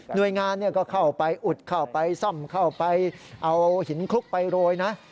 โดยงานก็เข้าไปอุดเข้าไปซ่อมเข้าไปเอาหินคลุกไปโรยนะ